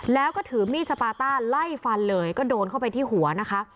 แล้วก็ถือมีดสปาต้าไล่ฟันเลยก็โดนเข้าไปที่หัวนะคะ